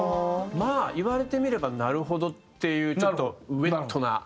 まあ言われてみればなるほどっていうちょっとウェットな。